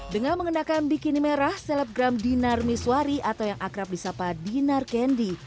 dengan mengenakan bikini merah selebgram dinar miswari atau yang akrab di sapa dinar kendi